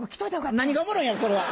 何がおもろいんやろそれは。